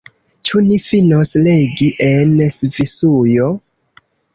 Ĉu ni finos legi „En Svisujo“?